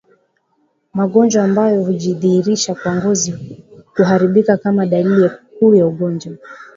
Magonjwa ambayo hujidhihirisha kwa ngozi kuharibika kama dalili kuu ya ugonjwa